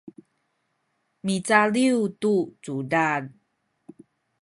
micaliw tu cudad